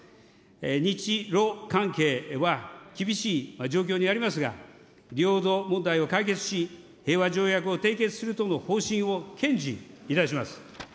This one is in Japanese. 日ロ関係は、厳しい状況にありますが、領土問題を解決し、平和条約を締結するとの方針を堅持いたします。